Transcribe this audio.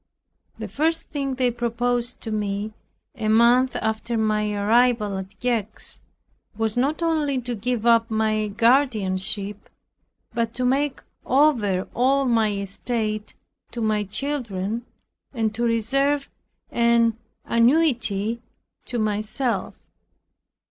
The first thing they proposed to me, a month after my arrival at Gex, was not only to give up my guardianship, but to make over all my estate to my children and to reserve an annuity to myself.